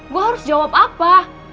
gue harus jawab apa